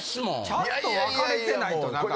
ちゃんと分かれてないと何か。